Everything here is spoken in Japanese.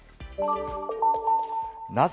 なぜ？